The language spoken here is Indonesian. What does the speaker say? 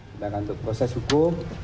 tidak akan untuk proses hukum